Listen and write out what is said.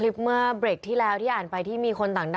เพราะอะไรอะ